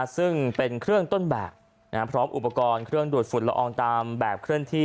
ซึ่งเป็นเครื่องต้นแบบพร้อมอุปกรณ์เครื่องดูดฝุ่นละอองตามแบบเคลื่อนที่